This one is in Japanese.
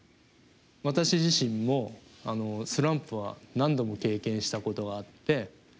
私自身もスランプは何度も経験したことがあって。